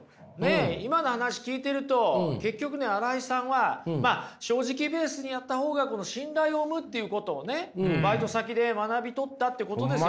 今の話聞いてると結局新井さんは正直ベースにあったほうが信頼を生むっていうことをねバイト先で学び取ったっていうことですよ